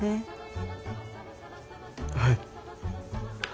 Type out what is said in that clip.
はい。